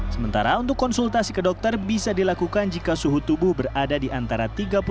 sementara untuk konsultasi ke dokter bisa dilakukan jika suhu tubuh berada di antara tiga puluh